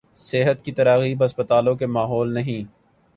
صحت کی تراغیب ہسپتالوں کے ماحول نہیں